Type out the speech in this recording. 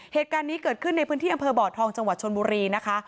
เหตุการณ์นี้เกิดขึ้นในพื้นที่อำเภอบ่อทองจังหวัดชนบุรีนะคะ